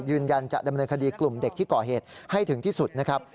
ยืนยันจะดำเนินคดีกลุ่มเด็กที่ก่อเหตุให้ถึงที่สุดนะครับ